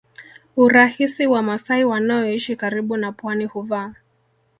urahisi Wamasai wanaoishi karibu na pwani huvaa